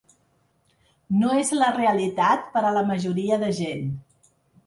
No és la realitat per a la majoria de gent.